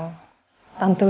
tante udah berubah